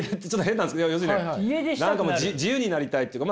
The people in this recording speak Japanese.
自由になりたいっていうか。